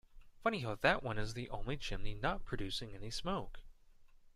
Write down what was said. Funny how that one is the only chimney not producing any smoke.